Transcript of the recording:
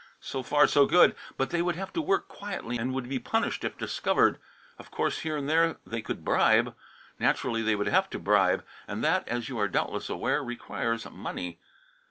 So far, so good! But they would have to work quietly and would be punished if discovered. Of course here and there they could bribe. Naturally, they would have to bribe, and that, as you are doubtless aware, requires money.